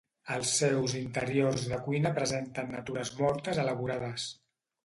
Els seus interiors de cuina presenten natures mortes elaborades.